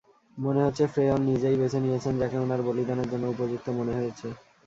মনে হচ্ছে ফ্রেয়র নিজেই বেছে নিয়েছেন যাকে উনার বলিদানের জন্য উপযুক্ত মনে হয়েছে।